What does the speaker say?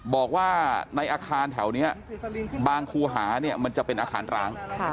บอกว่าในอาคารแถวนี้บางคูหาเนี่ยมันจะเป็นอาคารร้าง